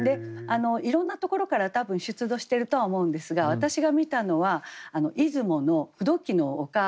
いろんなところから多分出土してるとは思うんですが私が見たのは出雲の風土記の丘にある展示館。